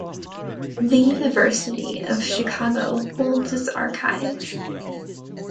The University of Chicago holds its archive.